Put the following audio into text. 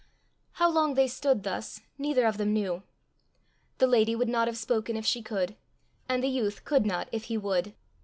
How long they stood thus, neither of them knew. The lady would not have spoken if she could, and the youth could not if he would.